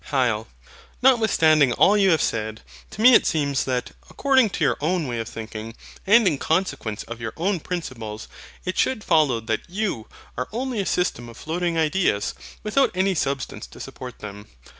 HYL. Notwithstanding all you have said, to me it seems that, according to your own way of thinking, and in consequence of your own principles, it should follow that YOU are only a system of floating ideas, without any substance to support them.